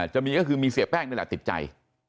จะมีก็คือมีเสียแป้งนี่แหละติดใจ